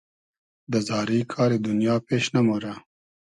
دۂ زاری کاری دونیا پېش نئمۉرۂ